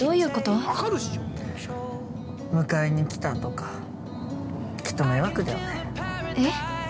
迎えに来たとかきっと迷惑だよね。